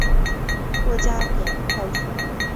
珞珈碘泡虫为碘泡科碘泡虫属的动物。